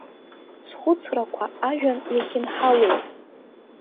Схәыцрақәа ажәҩан иахьынҳалоуп.